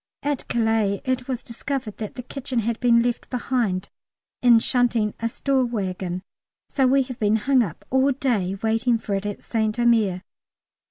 At Calais it was discovered that the kitchen had been left behind, in shunting a store waggon, so we have been hung up all day waiting for it at St Omer.